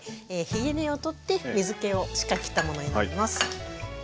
ひげ根を取って水けをしっかりきったものになります。